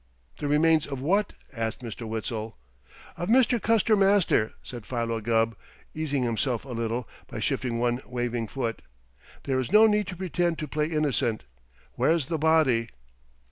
"The remains of what?" asked Mr. Witzel. "Of Mister Custer Master," said Philo Gubb, easing himself a little by shifting one waving foot. "There is no need to pretend to play innocent. Where is the body?"